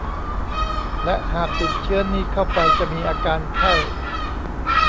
และหากติดเชื้อนี้เข้าไปจะมีอาการไข้